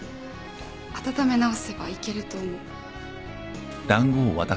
温め直せばいけると思う。